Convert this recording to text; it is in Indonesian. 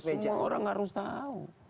semua orang harus tahu